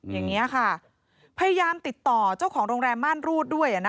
อย่างนี้ค่ะพยายามติดต่อเจ้าของโรงแรมม่านรูดด้วย